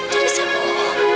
jadi saya mau